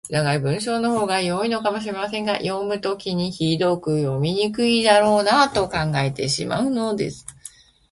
長い文章のほうが良いのかもしれませんが、読むときにひどく読みにくいだろうなと考えてしまうのです。